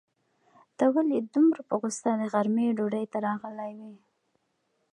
ته ولې دومره په غوسه د غرمې ډوډۍ ته راغلی وې؟